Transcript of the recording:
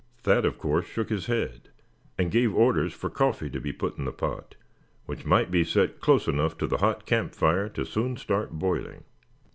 Thad of course shook his head, and gave orders for coffee to be put in the pot, which might be set close enough to the hot camp fire to soon start boiling.